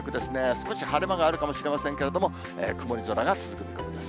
少し晴れ間があるかもしれませんけども、曇り空が続く見込みです。